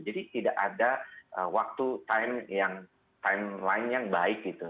jadi tidak ada waktu timeline yang baik gitu